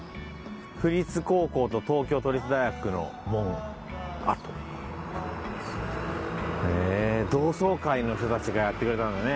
「府立高校と東京都立大学の門跡」へえ同窓会の人たちがやってくれたんだね。